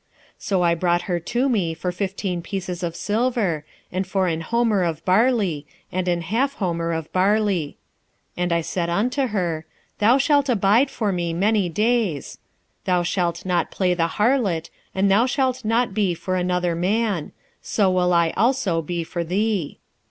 3:2 So I bought her to me for fifteen pieces of silver, and for an homer of barley, and an half homer of barley: 3:3 And I said unto her, Thou shalt abide for me many days; thou shalt not play the harlot, and thou shalt not be for another man: so will I also be for thee.